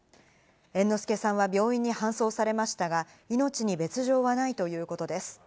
猿之助さんは病院に搬送されましたが、命に別条はないということです。